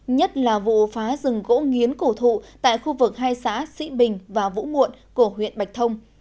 nhất là vụ phá rừng gỗ nghiến cổ thụ tại khu vực hai xã sĩ bình và vũ muộn của huyện bạch thông